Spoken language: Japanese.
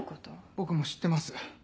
僕も知ってます。